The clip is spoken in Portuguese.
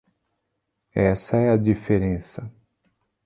Essa é a diferença.